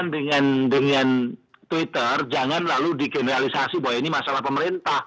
persoalan dengan twitter jangan lalu di generalisasi bahwa ini masalah pemerintah